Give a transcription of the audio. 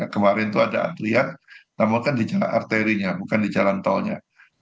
kemarin itu ada antrian namanya kan di jalan arteri nya bukan di jalan tol nya